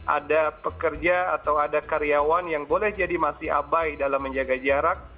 ada pekerja atau ada karyawan yang boleh jadi masih abai dalam menjaga jarak